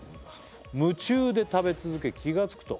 夢中で食べ続け」「気がつくと」